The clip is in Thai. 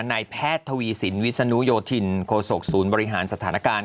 นายแพทย์ทวีสินวิศนุโยธินโคศกศูนย์บริหารสถานการณ์